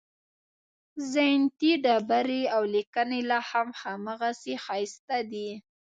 زینتي ډبرې او لیکنې لاهم هماغسې ښایسته دي.